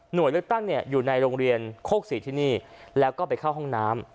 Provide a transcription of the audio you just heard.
โดยเลือกตั้งเนี่ยอยู่ในโรงเรียนโคกศรีที่นี่แล้วก็ไปเข้าห้องน้ำ